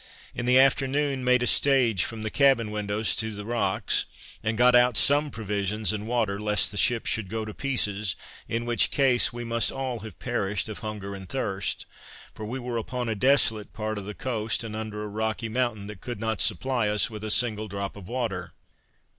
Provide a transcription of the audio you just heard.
In the afternoon made a stage from the cabin windows to the rocks, and got out some provisions and water, lest the ship should go to pieces, in which case we must all have perished of hunger and thirst; for we were upon a desolate part of the coast, and under a rocky mountain, that could not supply us with a single drop of water.